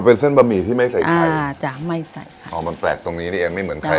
เป็นเส้นบะหมี่ที่ไม่ใส่ไข่อ่าจ้ะไม่ใส่ค่ะอ๋อมันแปลกตรงนี้นี่เองไม่เหมือนใคร